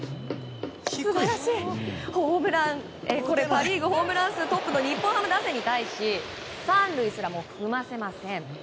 パ・リーグホームラン数トップの日本ハム打線に対し３塁すらも踏ませません。